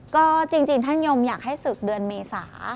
ก็จริงท่านยมอยากให้ศึกเดือนเมษา